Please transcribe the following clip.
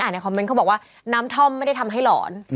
ในคอมเมนต์เขาบอกว่าน้ำท่อมไม่ได้ทำให้หลอน